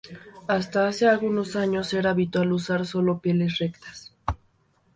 Hasta hace algunos años era habitual usar solo pieles rectas.